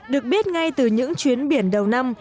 được biết ngay từ những chuyến biển đầu năm